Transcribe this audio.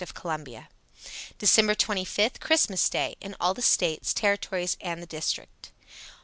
of Col. December 25, Christmas Day. In all the States, Territories and the District.